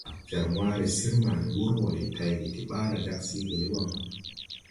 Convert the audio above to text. Jar wããre sir ma ni wur wɔ de tayge tii ɓaara jāg siigi ni waŋ.